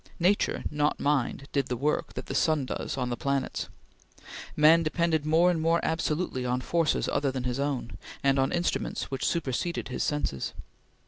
Nature, not mind, did the work that the sun does on the planets. Man depended more and more absolutely on forces other than his own, and on instruments which superseded his senses.